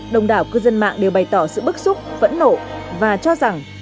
đồng đảo cư dân mạng đều bày tỏ sự bức xúc phẫn nộ và cho rằng